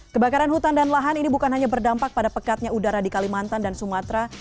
kebakaran hutan dan lahan ini bukan hanya berdampak pada pekatnya udara di kalimantan dan sumatera